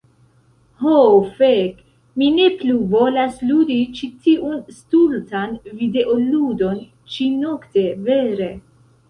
Ho fek, mi ne plu volas ludi ĉi tiun stultan videoludon ĉi-nokte. Vere.